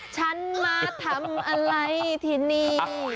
ฉันมาทำอะไรที่นี่